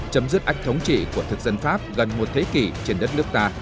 chấm dứt ách thống trị của thực dân pháp gần một thế kỷ trên đất nước ta